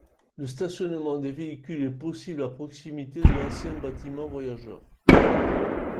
Le stationnement des véhicules est possible à proximité de l'ancien bâtiment voyageurs.